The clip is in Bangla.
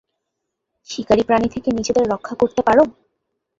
শিকারী প্রাণী থেকে নিজেদের রক্ষা করতে পারো?